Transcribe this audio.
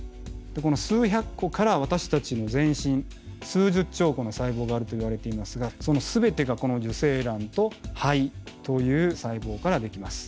この数百個から私たちの全身数十兆個の細胞があるといわれていますがその全てがこの受精卵と胚という細胞からできます。